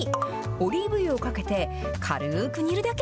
オリーブ油をかけて、軽ーく煮るだけ。